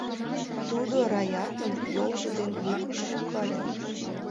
Тудо Раятым йолжо дене лукыш шӱкале.